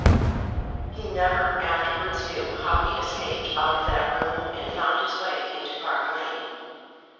He never afterwards knew how he escaped out of that room and found his way into Park Lane.